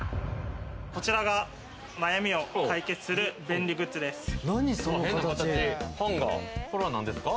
こちらが悩みを解決する便利グッズです。